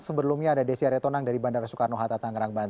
sebelumnya ada desyari tonang dari bandara soekarno hatta tangerang banten